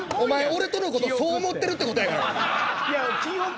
俺とのことそう思ってるってことやからな！